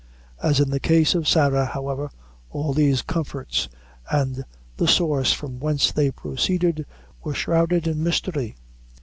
As in the case of Sarah, however, all these comforts, and the source from whence they proceeded, were shrouded in mystery.